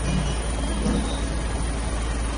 ও এই কলেজের সকলের জন্য প্রজেক্ট করে দেয়।